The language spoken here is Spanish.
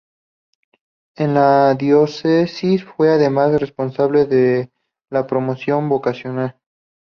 En la Diócesis fue, además, responsable de la promoción vocacional.